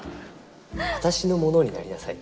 「私のものになりなさい」。